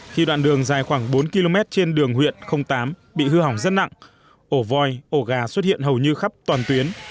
khi đoạn đường dài khoảng bốn km trên đường huyện tám bị hư hỏng rất nặng ổ voi ổ gà xuất hiện hầu như khắp toàn tuyến